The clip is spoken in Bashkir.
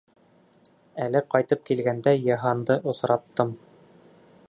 Әле ҡайтып килгәндә Йыһанды осраттым.